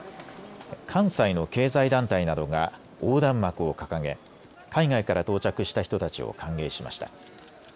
関西の経済団体などが横断幕を掲げ海外から到着した人たちを歓迎しました。